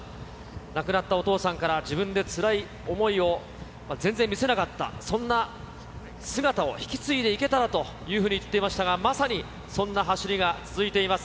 亡くなったお父さんから、自分でつらい思いを全然見せなかった、そんな姿を引き継いでいけたらというふうに言っていましたが、まさにそんな走りが続いています。